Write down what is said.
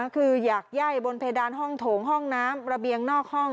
คืออยากไย่บนเพดานห้องโถงห้องน้ำระเบียงนอกห้อง